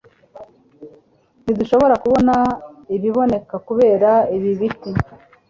Ntidushobora kubona ibiboneka kubera ibi biti.